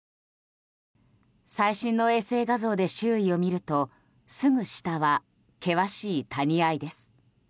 最新の衛星画像で周囲を見るとすぐ下は険しい谷あいです。